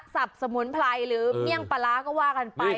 สับสมุนไพรหรือเมี่ยงปลาร้าก็ว่ากันไป